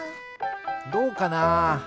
どうかな？